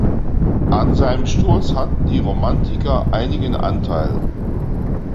An seinem Sturz hatten die Romantiker einigen Anteil.